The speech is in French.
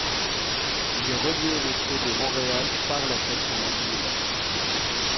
Il est relié au Métro de Montréal par la station McGill.